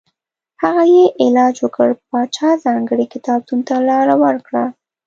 هغه یې علاج وکړ پاچا ځانګړي کتابتون ته لاره ورکړه.